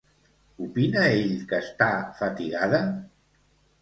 Opina ell que està fatigada?